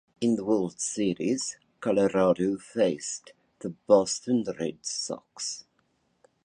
In the World Series, Colorado faced the Boston Red Sox.